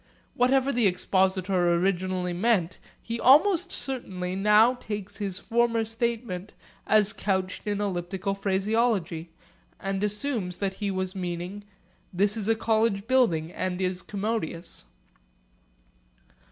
Whatever the expositor originally meant, he almost certainly now takes his former statement as couched in elliptical phraseology, and assumes that he was meaning, 'This is a college building and is commodious.'